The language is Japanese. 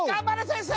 先生！